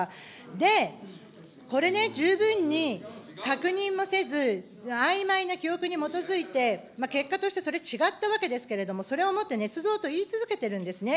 で、これね、十分に確認をせず、あいまいな記憶に基づいて、結果としてそれ違ったわけですけれども、それをもってねつ造を言い続けているんですね。